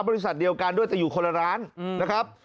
บริษัทเดียวกันด้วยแต่อยู่คนละร้านนะครับ